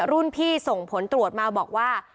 รุ่นพี่ส่งผลตรวจมาบอกว่า